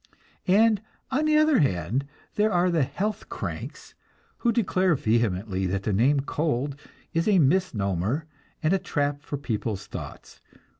And, on the other hand, there are the "health cranks," who declare vehemently that the name "cold" is a misnomer and a trap for people's thoughts.